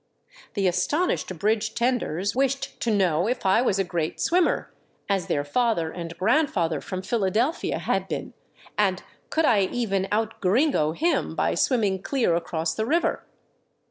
The astonished bridge tenders wished to know if I was a great swimmer, as their father and grandfather from Phila delphia had been, and could I even out gringo him by swimming clear across the river.